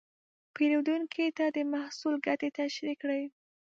پیرودونکي ته د محصول ګټې تشریح کړئ.